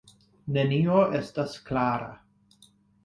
Nenio estas klara.